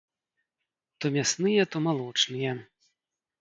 То мясныя, то малочныя.